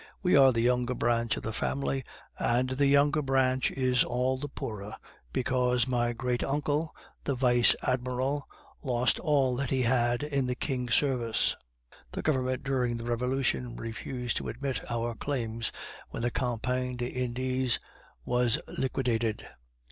We are the younger branch of the family, and the younger branch is all the poorer because my great uncle, the Vice Admiral, lost all that he had in the King's service. The Government during the Revolution refused to admit our claims when the Compagnie des Indes was liquidated."